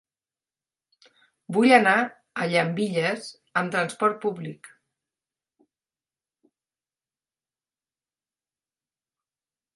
Vull anar a Llambilles amb trasport públic.